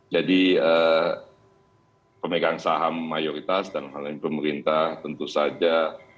jadi pemegang saham mayoritas dan hal lain pemerintah tentu saja